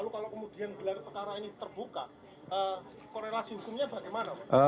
kalau kemudian gelar perkara ini terbuka korelasi hukumnya bagaimana